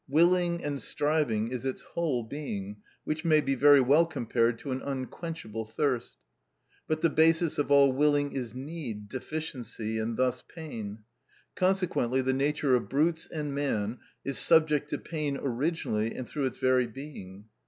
Willing and striving is its whole being, which may be very well compared to an unquenchable thirst. But the basis of all willing is need, deficiency, and thus pain. Consequently, the nature of brutes and man is subject to pain originally and through its very being.